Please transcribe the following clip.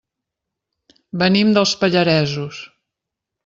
Venim dels Pallaresos.